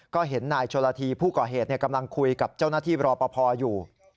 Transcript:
ก็เห็นนายชนละทีผู้ก่อเหตุกำลังคุยกับเจ้าหน้าที่รอปภอยู่